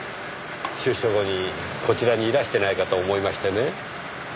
出所後にこちらにいらしてないかと思いましてね。